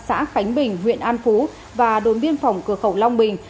xã khánh bình huyện an phú và đồn biên phòng cửa khẩu long bình